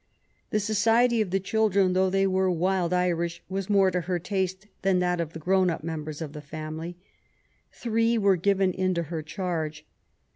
The society of the children, though they were ^^ wild Irish,^^ was more to her taste than that of the grown up members of the family. Three were given into her charge.